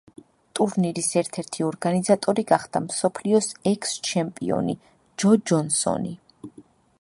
ტურნირის ერთ-ერთი ორგანიზატორი გახდა მსოფლიოს ექს-ჩემპიონი ჯო ჯონსონი.